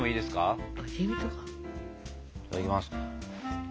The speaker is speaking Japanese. いただきます。